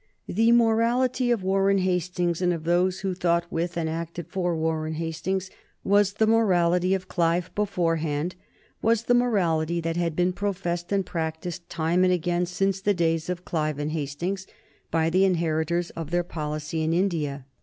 The morality of Warren Hastings and of those who thought with and acted for Warren Hastings was the morality of Clive beforehand, was the morality that had been professed and practised time and again since the days of Clive and Hastings by the inheritors of their policy in India.